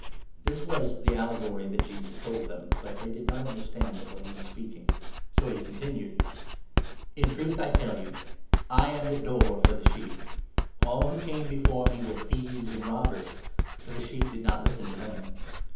This was the allegory that Jesus told them, but they did not 6 understand of what he was speaking. 186 JOHN, 10. So he continued :" In truth I tell you, I am the Door for the sheep. All who came before me were thieves and robbers ; but the sheep did not listen to them.